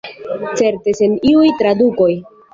Certe sen iuj tradukoj.